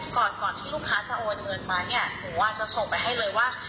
ก่อนก่อนที่ลูกค้าจะโอนเงินมาเนี่ยหนูอาจจะส่งไปให้เลยว่า